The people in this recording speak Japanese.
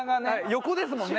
横ですもんね。